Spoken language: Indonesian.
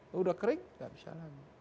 sudah kering tidak bisa lagi